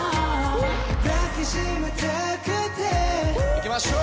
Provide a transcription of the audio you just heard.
いきましょう！